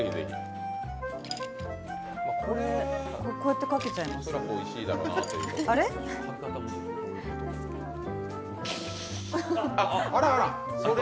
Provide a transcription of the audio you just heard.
こうやってかけちゃいますあれ？